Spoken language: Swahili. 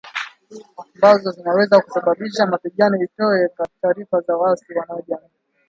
ambazo zinaweza kusababisha mapigano ikitoa taarifa za waasi wanaojihami